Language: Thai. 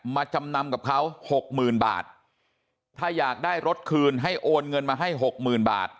มาจำนำกับเขา๖๐๐๐๐บาทถ้าอยากได้รถคืนให้โอนเงินมาให้๖๐๐๐๐บาท